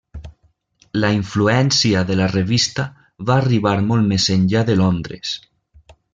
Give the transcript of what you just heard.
La influència de la revista va arribar molt més enllà de Londres.